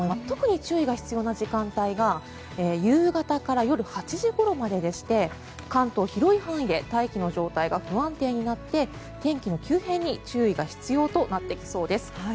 特に注意が必要な時間帯が夕方から夜８時ごろまででして関東、広い範囲で大気の状態が不安定になって天気の急変に注意が必要となってきそうです。